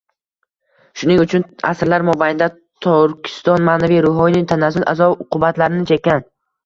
Shuning uchun asrlar mobaynida Turkiston ma’naviy-ruhoniy tanazzul azob-uqubatlarini chekkan.